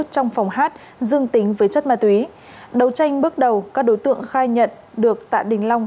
trong phòng hát dương tính với chất ma túy đấu tranh bước đầu các đối tượng khai nhận được tạ đình long